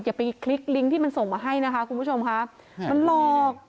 อย่าไปคลิกลิงก์ที่มันส่งมาให้นะคะคุณผู้ชมค่ะมันหลอก